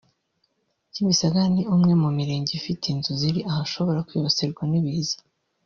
Kimisagara ni umwe mu mirenge ifite inzu ziri ahashobora kwibasirwa n’ibiza